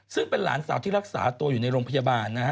ซึ่งเป็นหลานสาวที่รักษาตัวอยู่ในโรงพยาบาลนะฮะ